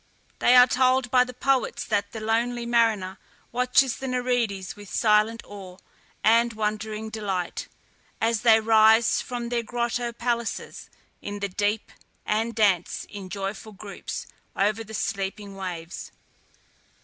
We are told by the poets that the lonely mariner watches the Nereides with silent awe and wondering delight, as they rise from their grotto palaces in the deep, and dance, in joyful groups, over the sleeping waves.